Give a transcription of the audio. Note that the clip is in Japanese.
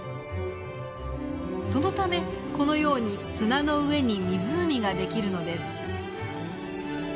そのためこのように砂の上に湖ができるのです。